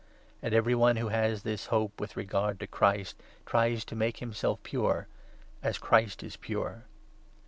And every one who has this hope with regard to Christ 3 tries to make himself pure — as Christ is pure.